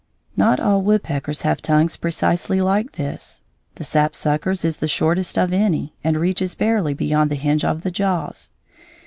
] Not all woodpeckers have tongues precisely like this. The sapsucker's is the shortest of any, and reaches barely beyond the hinge of the jaws.